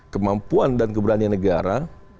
kemampuan dan keberanian negara